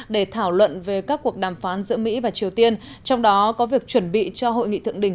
để thảo luận về các cuộc đàm phán giữa mỹ và triều tiên trong đó có việc chuẩn bị cho hội nghị thượng đỉnh